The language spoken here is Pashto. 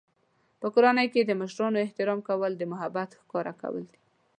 په کورنۍ کې د مشرانو احترام کول د محبت ښکاره کول دي.